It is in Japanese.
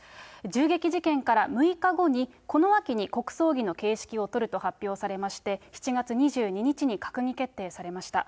銃撃事件から６日後にこの秋に国葬儀の形式を取ると発表されまして、７月２２日に閣議決定されました。